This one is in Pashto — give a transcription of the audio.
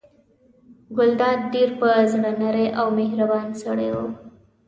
ګلداد ډېر په زړه نری او مهربان سړی و.